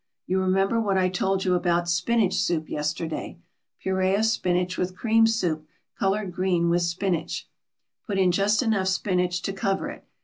You remember what I told you about spinach soup yesterday puree of spinach with cream soup, colored green with spinach. Put in just enough spinach to cover it.